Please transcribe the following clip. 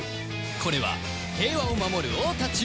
これは平和を守る王たちの物語